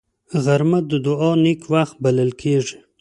غرمه د دعاو نېک وخت بلل کېږي